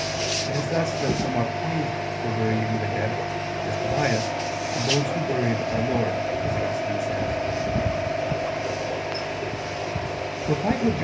It is thus that some are praised for burying the dead, as Tobias, and those who buried Our Lord; as Augustine says (De Cura pro Mort.